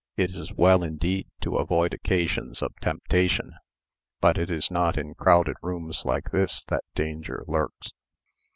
It is well, indeed, to avoid occasions of temptation, but it is not in crowded rooms like this that danger lurks."